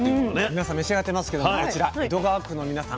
皆さん召し上がってますけどこちら江戸川区の皆さん